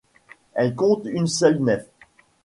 Elle compte une seule nef.